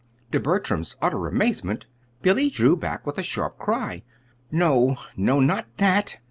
To Bertram's utter amazement, Billy drew back with a sharp cry. "No, no not that!"